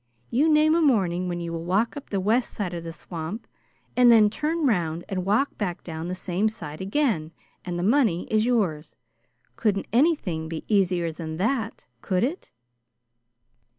You name a morning when you will walk up the west side of the swamp and then turn round and walk back down the same side again and the money is yours. Couldn't anything be easier than that, could it?"